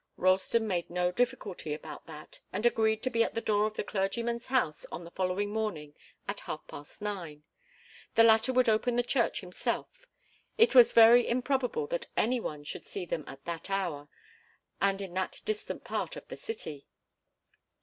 Ralston made no difficulty about that, and agreed to be at the door of the clergyman's house on the following morning at half past nine. The latter would open the church himself. It was very improbable that any one should see them at that hour, and in that distant part of the city.